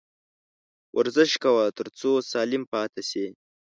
ورزش کوه ، تر څو سالم پاته سې